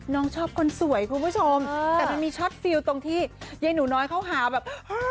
น้องชอบคนสวยคุณผู้ชมแต่มันมีช็อตฟิลตรงที่ยายหนูน้อยเขาหาแบบ